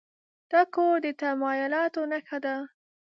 دا کور د تمایلاتو نښه ده.